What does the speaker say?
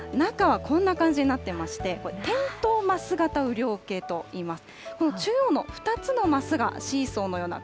この中はこんな感じになってまして、てんとうますがた雨量計といいます。